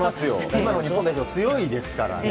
今の日本強いですからね。